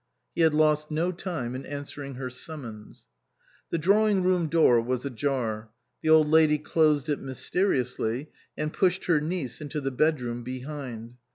He had lost no time in answering her sum mons. The drawing room door was ajar ; the Old Lady closed it mysteriously, and pushed her niece into the bedroom behind.